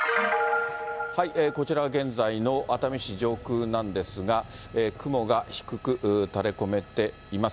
こちらは現在の熱海市上空なんですが、雲が低く垂れ込めています。